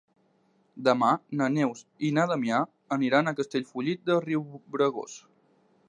Demà na Neus i na Damià aniran a Castellfollit de Riubregós.